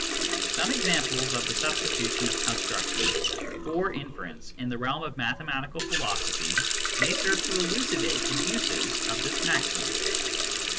Some examples of the substitution of construction for inference in the realm of mathematical philosophy may serve to elucidate the uses of this maxim.